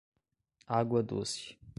Água Doce